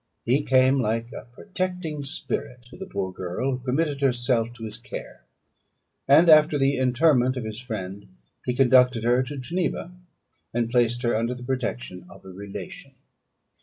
He came like a protecting spirit to the poor girl, who committed herself to his care; and after the interment of his friend, he conducted her to Geneva, and placed her under the protection of a relation.